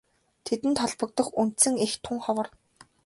Тэдэнд холбогдох үндсэн эх тун ховор.